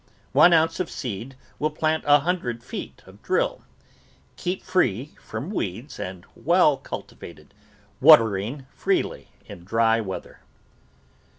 One ounce of seed will plant a hundred feet of drill. Keep free from weeds and well cultivated, watering freely in dry weather.